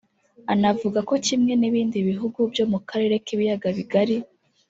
anavuga ko kimwe n’ibindi bihugu byo mu karere k’Ibiyaga Bigari